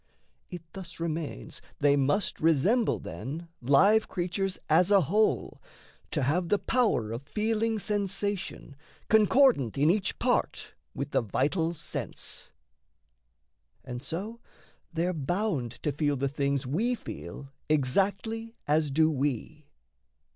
It thus remains they must resemble, then, Live creatures as a whole, to have the power Of feeling sensation concordant in each part With the vital sense; and so they're bound to feel The things we feel exactly as do we.